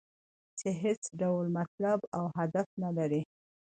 چې هېڅ ډول مطلب او هدف نه لري.